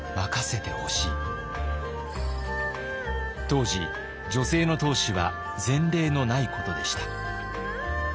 当時女性の当主は前例のないことでした。